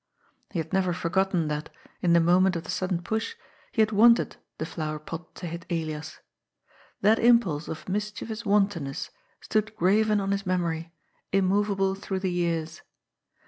He had never forgotten that, in the moment of the sud den push, he had wanted the flower pot to hit Elias. That impulse of mischievous wantonness stood graven on his memory, immovable through the years.